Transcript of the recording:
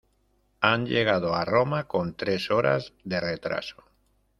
Han llegado a Roma con tres horas de retraso.